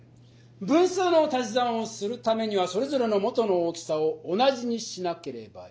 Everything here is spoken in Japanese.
分数のたし算をするためにはそれぞれの元の大きさを同じにしなければいけない。